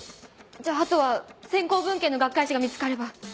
じゃああとは先行文献の学会誌が見つかれば。